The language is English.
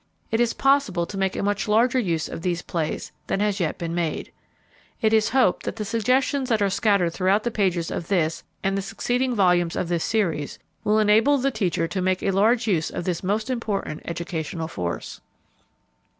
It is possible to make a much larger use of these plays than has yet been made. It is hoped that the suggestions that are scattered throughout the pages of this and the succeeding volumes of this series will enable the teacher to make a large use of this most important educational force.